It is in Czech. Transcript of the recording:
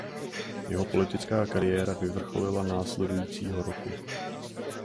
Jeho politická kariéra vyvrcholila následujícího roku.